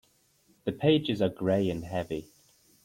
The pages are gray and heavy.